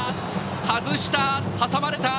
外した。